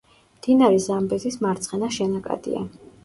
მდინარე ზამბეზის მარცხენა შენაკადია.